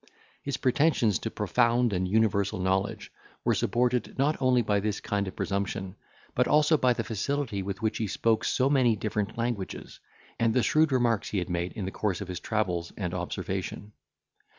His pretensions to profound and universal knowledge were supported not only by this kind of presumption, but also by the facility with which he spoke so many different languages, and the shrewd remarks he had made in the course of his travels and observation.